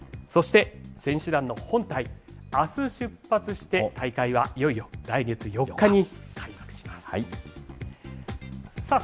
そして選手団の本隊、あす出発して、大会はいよいよ来月４日に開幕します。